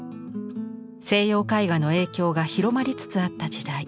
西洋絵画の影響が広まりつつあった時代。